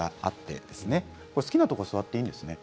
好きなところに座っていいんですね。